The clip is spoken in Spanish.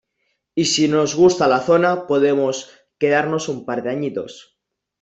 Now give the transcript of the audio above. Y si nos gusta la zona podemos quedarnos un par de añitos.